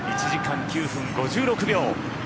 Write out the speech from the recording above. １時間９分５６秒。